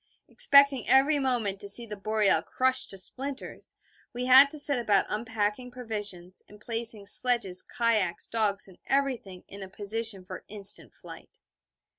Expecting every moment to see the Boreal crushed to splinters, we had to set about unpacking provisions, and placing sledges, kayaks, dogs and everything in a position for instant flight.